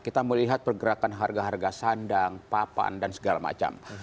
kita melihat pergerakan harga harga sandang papan dan segala macam